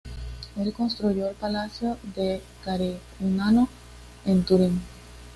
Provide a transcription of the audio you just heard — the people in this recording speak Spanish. Él construyó el Palacio Carignano en Turín.